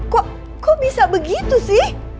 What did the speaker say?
kok kok bisa begitu sih